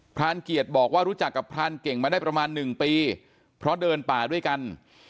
รานเกียรติบอกว่ารู้จักกับพรานเก่งมาได้ประมาณ๑ปีเพราะเดินป่าด้วยกัน